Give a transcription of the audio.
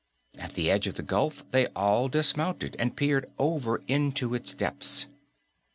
At the edge of the gulf they all dismounted and peered over into its depths.